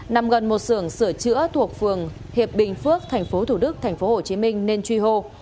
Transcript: nằm gần một sưởng sửa chữa thuộc phường hiệp bình phước tp thủ đức tp hồ chí minh nên truy hô